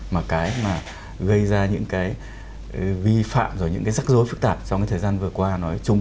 mà cái gây ra những vi phạm và những rắc rối phức tạp trong thời gian vừa qua nói chung